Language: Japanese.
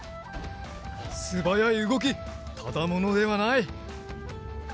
すばやいうごきただものではない！